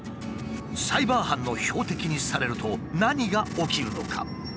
サイバー犯の標的にされると何が起きるのか？